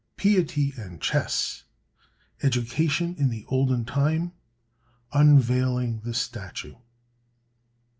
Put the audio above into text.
Piety and Chess. Education in the Olden Time. Unveiling the Statue.